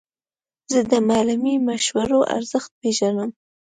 زه د معلمې د مشورو ارزښت پېژنم.